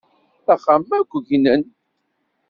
Axxam akk gnen.